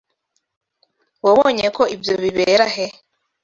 Wabonye ko ibyo bibera he?